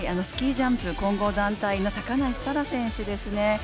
スキージャンプ混合団体の高梨沙羅選手ですね。